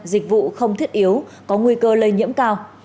dịch vụ không thiết yếu có nguy cơ lây nhiễm cao